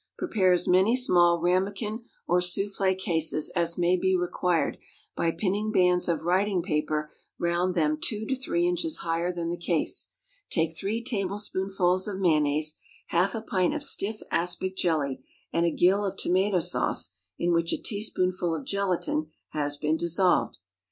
Prepare as many small ramekin or soufflée cases as may be required by pinning bands of writing paper round them two to three inches higher than the case. Take three tablespoonfuls of mayonnaise, half a pint of stiff aspic jelly, and a gill of tomato sauce in which a teaspoonful of gelatine has been dissolved.